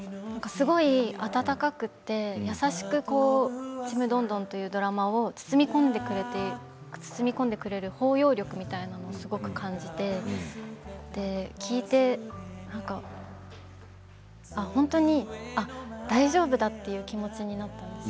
すごい温かくて優しく「ちむどんどん」というドラマを包み込んでくれる包容力みたいなものをすごく感じて聴いて本当に大丈夫だっていう気持ちになったんです。